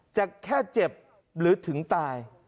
จะแค่เจ็บหรือถึงตาย